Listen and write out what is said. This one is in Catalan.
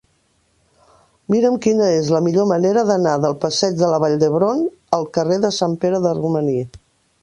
Mira'm quina és la millor manera d'anar del passeig de la Vall d'Hebron al carrer de Sant Pere de Romaní.